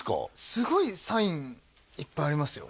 すごいサインいっぱいありますよ